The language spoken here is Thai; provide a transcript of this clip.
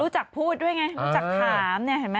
จากพูดด้วยไงรู้จักถามเนี่ยเห็นไหม